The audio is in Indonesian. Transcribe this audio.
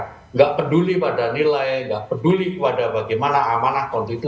tidak peduli pada nilai tidak peduli pada bagaimana amanah konstitusi